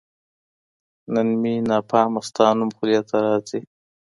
نو مي ناپامه ستا نوم خولې ته راځــــــــي